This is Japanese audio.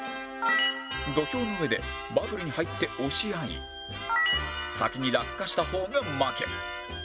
土俵の上でバブルに入って押し合い先に落下した方が負け